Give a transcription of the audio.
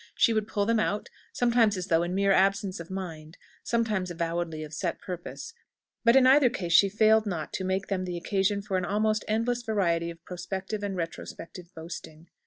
She would pull them out, sometimes as though in mere absence of mind, sometimes avowedly of set purpose, but in either case she failed not to make them the occasion for an almost endless variety of prospective and retrospective boasting.